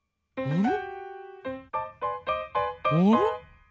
うん。